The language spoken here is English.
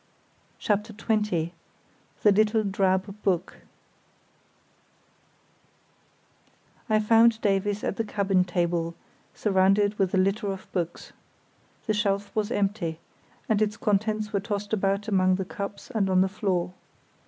CHAPTER XX. The Little Drab Book I found Davies at the cabin table, surrounded with a litter of books. The shelf was empty, and its contents were tossed about among the cups and on the floor.